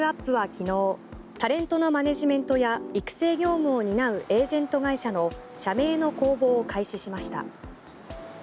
昨日タレントのマネジメントや育成業務を担うエージェント会社の社名の公募を開始しました。